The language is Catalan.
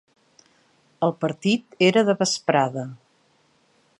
El partit era de vesprada.